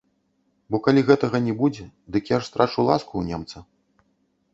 Бо калі гэтага не будзе, дык я ж страчу ласку ў немца.